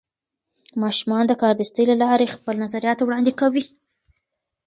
ماشومان د کاردستي له لارې خپل نظریات وړاندې کوي.